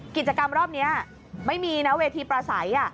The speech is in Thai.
กิจกรรมรอบนี้ไม่มีนะเวทีประสัย